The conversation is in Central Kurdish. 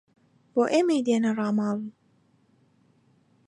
بۆ ئێمەی دێنا ڕاماڵ